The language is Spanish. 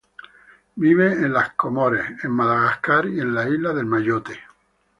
Vive en las Comores, en Madagascar y en la isla de Mayotte.